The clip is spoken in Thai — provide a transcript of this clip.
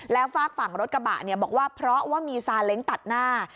แล้วฝากฝั่งรถกระบะเนี่ยบอกว่าเพราะว่ามีซาเล้งตัดหน้า